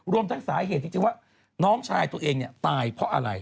รวมทั้งสาเหตุที่ว่าน้องชายตัวเองตายเพราะอะไร